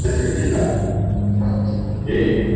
Mwanahabari aliyeko uhamishoni aeleza hali ya waandishi Burundi